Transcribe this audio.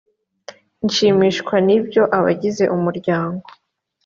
nshimishwa n ibyo abagize umuryango